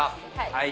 はい。